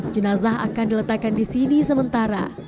jenazah akan diletakkan di sini sementara